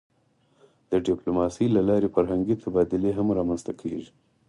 د ډیپلوماسی له لارې فرهنګي تبادلې هم رامنځته کېږي.